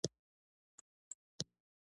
غریب د ژوند تریخ حقیقت ښکاره کوي